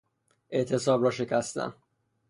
اعتصاب را شکستن